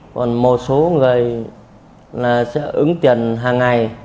còn một số người sẽ ứng tiền hàng ngày